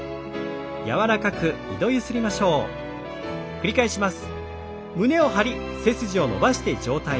繰り返します。